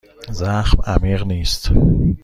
زخم عمیق نیست.